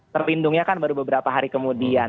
terlindungnya kan baru beberapa hari kemudian